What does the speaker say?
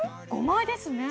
５枚ですね。